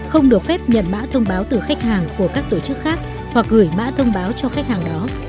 không được phép nhận mã thông báo từ khách hàng của các tổ chức khác hoặc gửi mã thông báo cho khách hàng đó